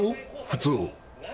普通。